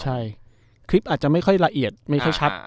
ใช่คลิปอาจจะไม่ค่อยละเอียดไม่ค่อยชัด